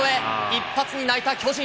一発に泣いた巨人。